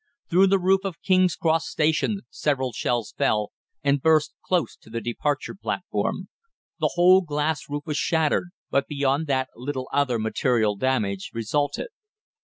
Through the roof of King's Cross Station several shells fell, and burst close to the departure platform. The whole glass roof was shattered, but beyond that little other material damage resulted.